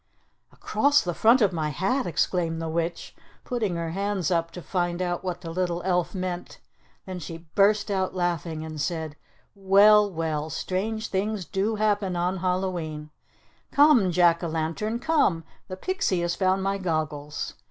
"Across the front of my hat!" exclaimed the witch, putting her hands up to find out what the little elf meant. Then she burst out laughing, and said, "Well, well! What strange things do happen on Hallowe'en! Come, Jack o' Lantern! Come! The pixie has found my goggles.